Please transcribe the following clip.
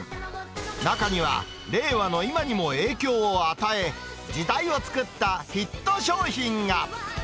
中には、令和の今にも影響を与え、時代を作ったヒット商品が。